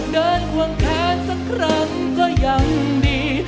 เดินขวางคลานสักครั้งก็ยังดี